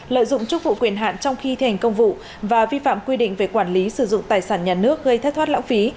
lợi dụng chức vụ quyền hạn trong khi thi hành công vụ và vi phạm quy định về quản lý sử dụng tài sản nhà nước gây thất thoát lãng phí